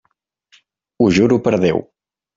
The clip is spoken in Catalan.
Ho juro per Déu.